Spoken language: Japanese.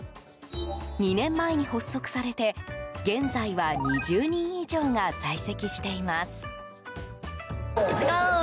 ２年前に発足されて、現在は２０人以上が在籍しています。